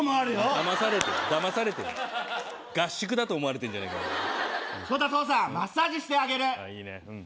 だまされてるだまされてる合宿だと思われてんじゃねえかそうだ父さんマッサージしてあげるああいいねうん